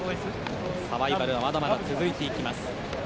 サバイバルはまだまだ続いていきます。